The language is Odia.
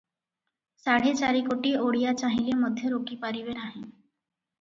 ସାଢ଼େ ଚାରିକୋଟି ଓଡ଼ିଆ ଚାହିଁଲେ ମଧ୍ୟ ରୋକିପାରିବେ ନାହିଁ ।